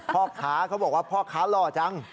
พ่อค้าเขาบอกว่าพ่อค้าหล่อจัง